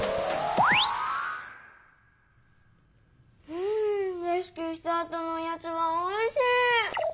うんレスキューしたあとのおやつはおいし！